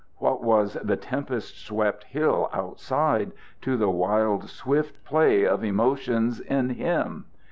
What was the tempest swept hill outside to the wild, swift play of emotions in him?